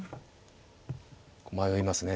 迷いますね。